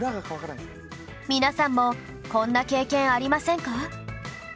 皆さんもこんな経験ありませんか？